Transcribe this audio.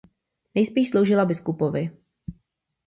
Nejspíš sloužila biskupovi.